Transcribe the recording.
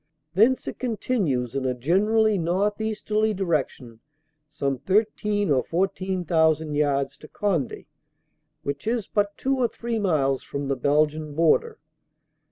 Thence it con tinues in a generally northeasterly direction some thirteen or fourteen thousand yards to Conde, which is but two or three miles from the Belgian border.